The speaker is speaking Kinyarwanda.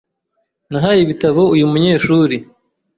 Nahaye ibitabo uyu munyeshuri.